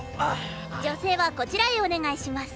女性はこちらへお願いします。